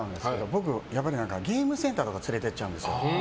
僕はやっぱりゲームセンターとか連れて行っちゃうんですよ。